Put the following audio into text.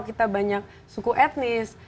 kita banyak suku etnis